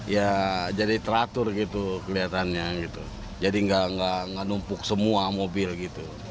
ya jadi teratur gitu kelihatannya gitu jadi nggak numpuk semua mobil gitu